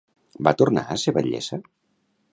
Va tornar a ser batllessa?